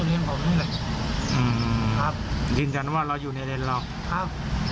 แต่คนต่างอย่างก็อยากถูกกันนะครับ